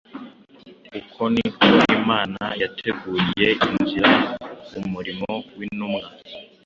Uko ni ko Imana yateguriye inzira umurimo w’intumwa.